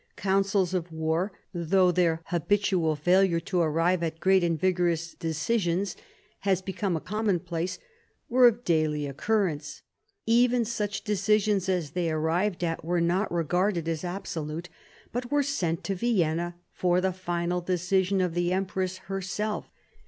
Councils of war, though their habitual failure to arrive at great and vigorous decisions has become a common place, were of daily occurrence. Even such decisions as they arrived at were not regarded as absolute, but were sent to Vienna for the final decision of the empress herself.